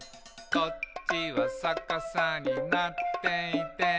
「こっちはさかさになっていて」